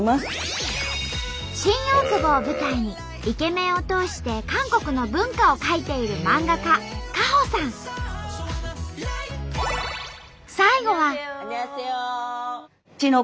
新大久保を舞台にイケメンを通して韓国の文化を描いている漫画家アンニョンハセヨ。